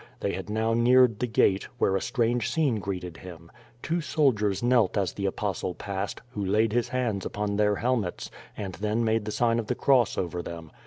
They had now neared the gate, where a strange scene greeted liim. Two soldiers knelt as the Apostle passed, who laid his hands upon their helmets, and then made the sign of the cross over them.